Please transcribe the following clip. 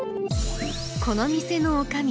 この店のおかみ